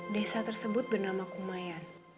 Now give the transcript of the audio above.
desa tersebut bernama kumayan